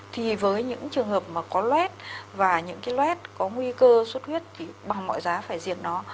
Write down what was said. thì với những trường hợp mà có lết và những cái lết có nguy cơ suất huyết thì bằng mọi giá phải diệt nó